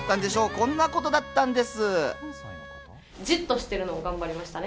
こんなことだったんです。